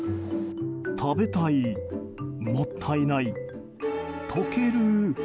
食べたい、もったいない溶ける。